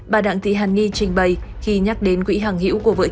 bà đặng tị hằng nhi trình bày khi nhắc đến quỹ hàng hiểu của vợ chồng